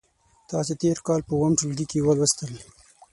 تاسې تېر کال په اووم ټولګي کې ولوستل.